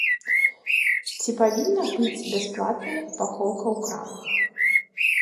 Ці павінна быць бясплатнай упакоўка ў крамах?